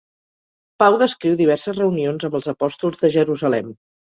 Pau descriu diverses reunions amb els apòstols de Jerusalem.